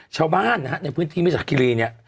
ชาวบ้านนะฮะในพื้นที่มิสาคิรีเนี่ย